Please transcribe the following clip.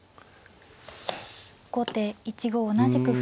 後手１五同じく歩。